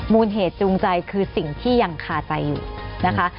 มูลเหตุจูงใจคือสิ่งที่ยังคาใจอยู่นะคะ